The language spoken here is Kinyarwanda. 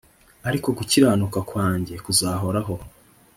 ariko gukiranuka kwanjye kuzahoraho